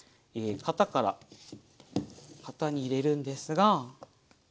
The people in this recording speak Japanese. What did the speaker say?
型から型に入れるんですが。